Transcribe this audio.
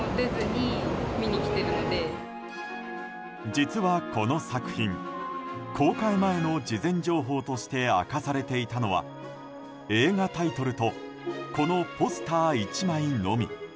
実はこの作品公開前の事前情報として明かされていたのは映画タイトルとこのポスター１枚のみ。